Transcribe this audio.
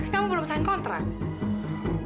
kamu belum sign kontrak